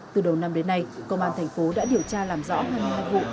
từ đầu năm đến nay công an thành phố đã điều tra làm rõ hai mươi hai vụ